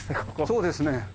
そうですね。